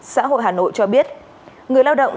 xã hội hà nội cho biết người lao động